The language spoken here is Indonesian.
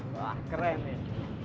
wah keren nih